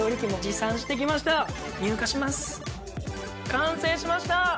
完成しました！